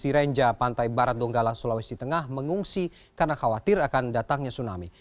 sirenja pantai barat donggala sulawesi tengah mengungsi karena khawatir akan datangnya tsunami